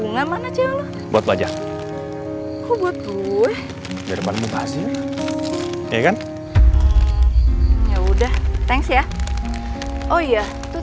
gue duluan ya